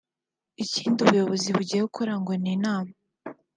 Ikindi ubuyobozi bugiye gukora ngo ni inama